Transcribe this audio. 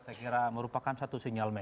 saya kira merupakan satu sinyal